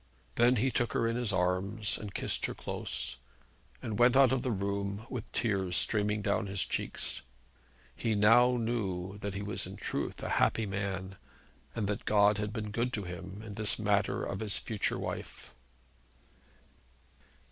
Then he took her in his arms, and kissed her close, and went out of the room with tears streaming down his cheeks. He knew now that he was in truth a happy man, and that God had been good to him in this matter of his future wife.